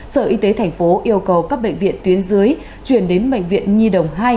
sở y tế tp yêu cầu các bệnh viện tuyến dưới chuyển đến bệnh viện nhi đồng hai